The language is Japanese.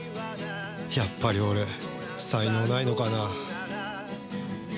やっぱり俺才能ないのかな